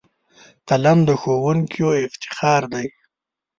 قلم د ښوونکیو افتخار دی